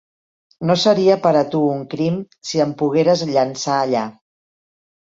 No seria per a tu un crim si em pogueres llançar allà.